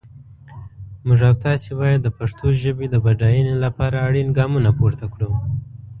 موږ او تاسي باید د پښتو ژپې د بډاینې لپاره اړین ګامونه پورته کړو.